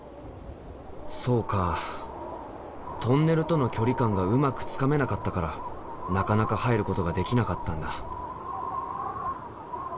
そうかトンネルとの距離感がうまくつかめなかったからなかなか入ることができなかったんだ。